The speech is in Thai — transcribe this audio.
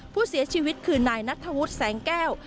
ผู้เสียชีวิตคือนายนัทธวุฒิแสงแก้ว